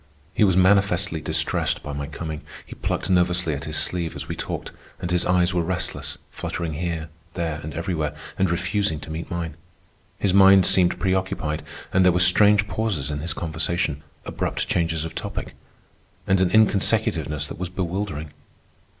He was manifestly distressed by my coming. He plucked nervously at his sleeve as we talked; and his eyes were restless, fluttering here, there, and everywhere, and refusing to meet mine. His mind seemed preoccupied, and there were strange pauses in his conversation, abrupt changes of topic, and an inconsecutiveness that was bewildering.